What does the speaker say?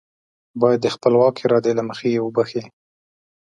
بايد د خپلواکې ارادې له مخې يې وبښي.